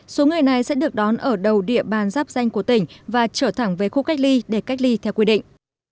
số người này sẽ được đón ở đầu địa bàn giáp danh của tỉnh và trở thẳng về khu cách ly để cách ly theo quy định